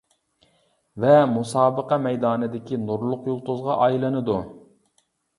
ۋە مۇسابىقە مەيدانىدىكى نۇرلۇق يۇلتۇزغا ئايلىنىدۇ.